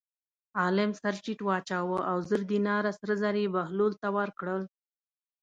عالم سر ټیټ واچاوه او زر دیناره سره زر یې بهلول ته ورکړل.